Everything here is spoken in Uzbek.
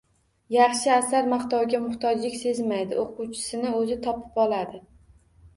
Yaxshi asar maqtovga muhtojlik sezmaydi, o‘quvchisini o‘zi topib oladi